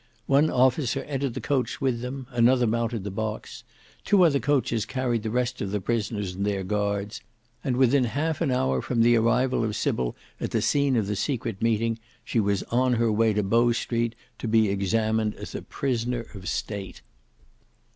One officer entered the coach with them: another mounted the box. Two other coaches carried the rest of the prisoners and their guards, and within halt an hour from the arrival of Sybil at the scene of the secret meeting, she was on her way to Bow Street to be examined as a prisoner of state.